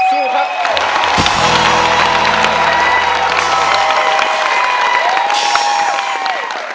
สู้ครับ